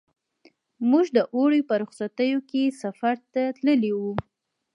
موږ د اوړي په رخصتیو کې سفر ته تللي وو.